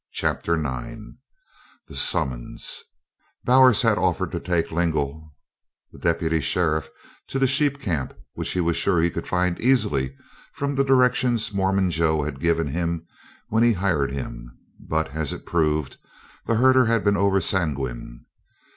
CHAPTER IX THE SUMMONS Bowers had offered to take Lingle, the Deputy Sheriff, to the sheep camp, which he was sure he could find easily from the directions Mormon Joe had given him when he hired him, but, as it proved, the herder had been over sanguine.